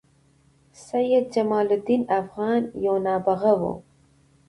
سيدجمال الدين افغان یو نابغه وه